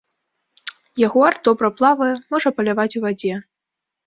Ягуар добра плавае, можа паляваць у вадзе.